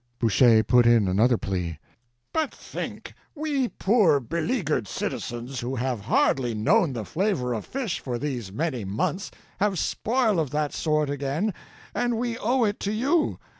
Boucher put in another plea: "But think—we poor beleaguered citizens who have hardly known the flavor of fish for these many months, have spoil of that sort again, and we owe it to you.